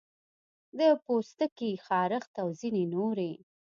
د پوستکي خارښت او ځینې نورې